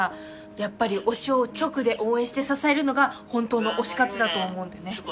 やっぱり推しを直で応援して支えるのが本当の推し活だと思うんだよね。